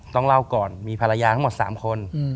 ต้องเล่าก่อนมีภรรยาทั้งหมด๓คน